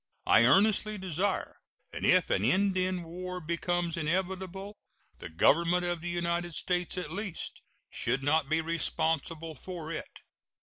I earnestly desire that if an Indian war becomes inevitable the Government of the United States at least should not be responsible for it.